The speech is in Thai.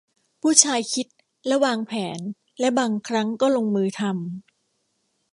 ผู้ชายคิดและวางแผนและบางครั้งก็ลงมือทำ